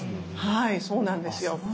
はいそうなんですよ。